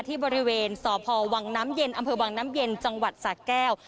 ที่บริเวณสพวน้ำเย็นอวน้ำเย็นจังหวัดสาแก้ว